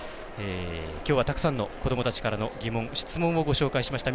きょうはたくさんの子どもたちからの疑問、質問いただきました。